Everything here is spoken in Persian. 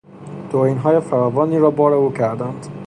توهینهای فراوانی را بار او کردند.